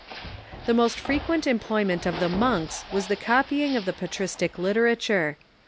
The most frequent employment of the monks was the copy ing of the patristic literature.